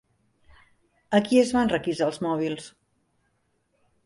A qui es van requisar els mòbils?